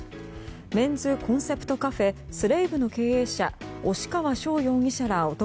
メンズコンセプトカフェＳＬＡＶＥの経営者押川翔容疑者ら男